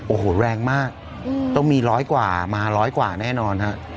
โอ้โหแรงมากต้องมีร้อยกว่ามาร้อยกว่าแน่นอนฮะ